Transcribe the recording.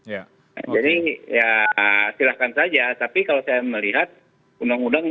jadi ya silahkan saja tapi kalau saya melihat undang undang